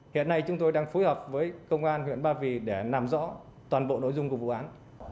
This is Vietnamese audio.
hiện nay chúng tôi đang phối hợp với công an huyện ba vì để làm rõ toàn bộ nội dung của vụ án